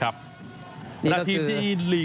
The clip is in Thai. แล้วทีมที่